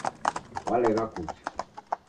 Walegha kucha